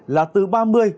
là từ ba mươi ba mươi ba độ